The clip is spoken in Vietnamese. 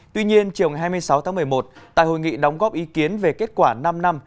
tuy nhiên chiều hai mươi sáu tháng một mươi một tại hội nghị đóng góp ý kiến về kết quả năm năm